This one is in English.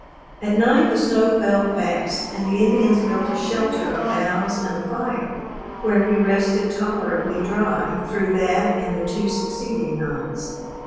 At night the snow fell fast, and the Indians built a shelter of boughs, and a fire, where we rested tolerably dry through that and the two succeeding nights.